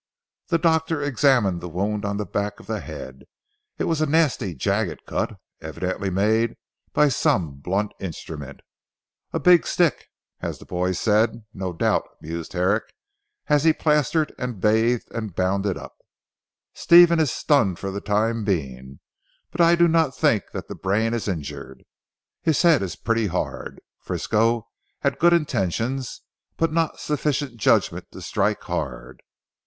The doctor examined the wound on the back of the head. It was a nasty jagged cut, evidently made by some blunt instrument. "A big stick as the boy said, no doubt," mused Herrick as he plastered and bathed and bound it up. "Stephen is stunned for the time being, but I do not think that the brain is injured. His head is pretty hard. Frisco had good intentions, but not sufficient judgment to strike hard."